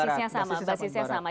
betul sama basisnya sama